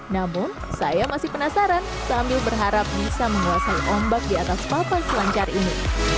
namun saya masih penasaran sambil berharap bisa menguasai ombak di atas papan selancar ini